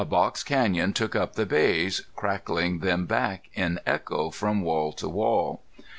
A box canyon took up the bays, cracking them back in echo from wall to wall.